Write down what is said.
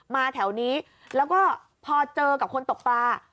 แถวนี้แล้วก็พอเจอกับคนตกปลา